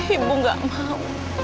ibu gak mau